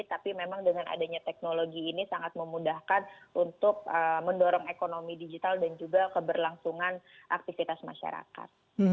tapi memang dengan adanya teknologi ini sangat memudahkan untuk mendorong ekonomi digital dan juga keberlangsungan aktivitas masyarakat